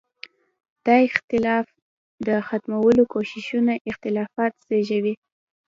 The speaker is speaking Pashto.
د اختلاف د ختمولو کوششونه اختلافات زېږوي.